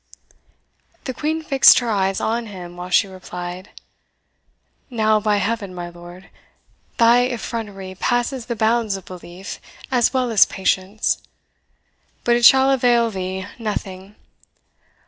The Queen fixed her eyes on him while she replied, "Now, by Heaven, my lord, thy effrontery passes the bounds of belief, as well as patience! But it shall avail thee nothing.